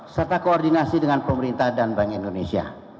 serta koordinasi dengan pemerintah dan bank indonesia